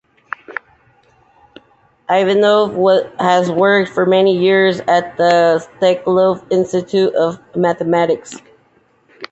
Ivanov has worked for many years at the Steklov Institute of Mathematics.